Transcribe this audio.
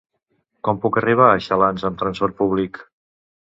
Com puc arribar a Xalans amb transport públic?